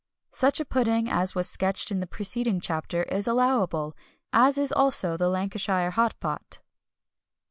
Such a pudding as was sketched in the preceding chapter is allowable, as is also the Lancashire Hot Pot.